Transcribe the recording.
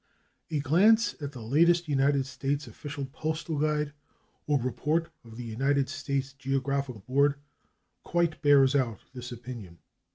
A glance at the latest United States Official Postal Guide or report of the United States Geographic Board quite bears out this opinion.